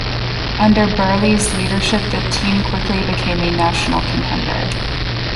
Under Burleigh's leadership, the team quickly became a national contender.